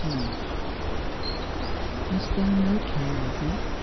*• Hast thou no care of me